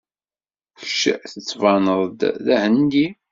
Kečč tettbaneḍ-d d Ahendi.